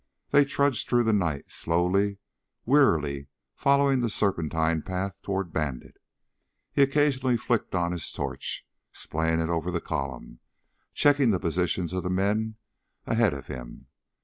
They trudged through the night, slowly; wearily following the serpentine path toward Bandit. He occasionally flicked on his torch, splaying it over the column, checking the positions of the men ahead of him.